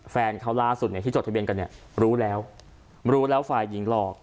แฟนเขาล่าสุดเนี่ยที่จดทะเบียนกันเนี่ยรู้แล้วรู้แล้วฝ่ายหญิงหลอก